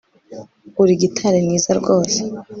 Uri gitari mwiza rwose